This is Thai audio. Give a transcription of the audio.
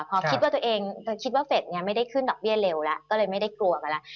พอคิดว่าตัวเองคิดว่าเฟสเนี่ยไม่ได้ขึ้นดอกเบี้ยเร็วแล้วก็เลยไม่ได้กลัวกันแล้ว